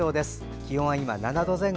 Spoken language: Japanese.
気温は今７度前後。